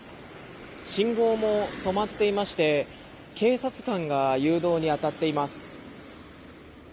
信号も止まっていまして警察官が誘導に当たっています。